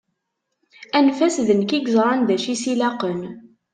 Anef-as, d nekk i yeẓran d acu i as-ilaqen.